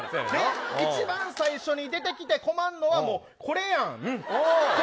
一番最初に出てきて困るのはこれやん。